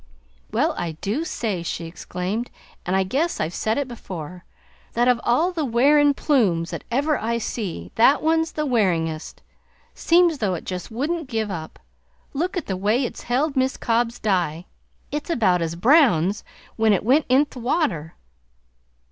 "Well, I do say," she exclaimed, "and I guess I've said it before, that of all the wearing' plumes that ever I see, that one's the wearin'est! Seems though it just wouldn't give up. Look at the way it's held Mis' Cobb's dye; it's about as brown's when it went int' the water."